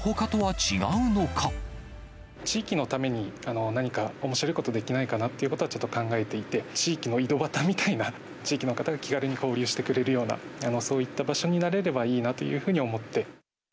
地域のために、何かおもしろいことできないかなっていうことはちょっと考えていて、地域の井戸端みたいな、地域の方が気軽に交流してくれるような、そういった場所になれればいいなというふうに思って。